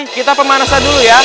kita pemanasan dulu ya